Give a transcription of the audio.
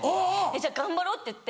じゃあ頑張ろうっていって。